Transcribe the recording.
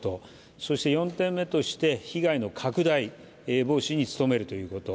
そして４点目として被害の拡大防止に努めるということ。